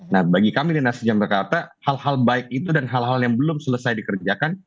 nah bagi kami di nasdem jakarta hal hal baik itu dan hal hal yang belum selesai dikerjakan